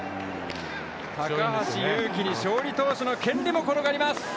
高橋優貴に勝利投手の権利も転がり込みます。